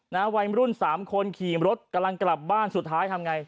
วัยรุ่นสามคนขี่รถกำลังกลับบ้านสุดท้ายทำไง